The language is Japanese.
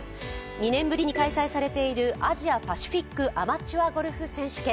２年ぶりに開催されているアジアパシフィックアマチュアゴルフ選手権。